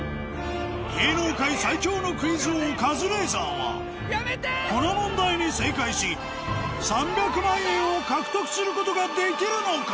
芸能界最強のクイズ王カズレーザーはこの問題に正解し３００万円を獲得することができるのか？